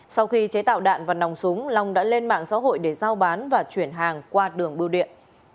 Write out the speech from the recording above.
sau khi chế tạo đạn và nòng súng long đã lên mạng xã hội để giao bán và chuyển hàng qua đường bưu điện